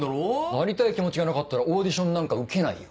なりたい気持ちがなかったらオーディションなんか受けないよ。